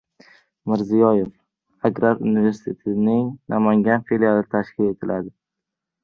Mirziyoyev: "Agrar universitetning Namangan filiali tashkil etiladi"